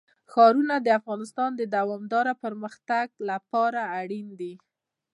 ښارونه د افغانستان د دوامداره پرمختګ لپاره اړین دي.